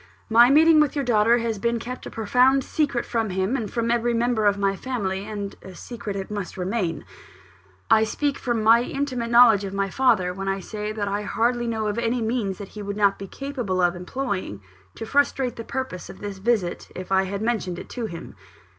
My meeting with your daughter has been kept a profound secret from him, and from every member of my family; and a secret it must remain. I speak from my intimate knowledge of my father, when I say that I hardly know of any means that he would not be capable of employing to frustrate the purpose of this visit, if I had mentioned it to him.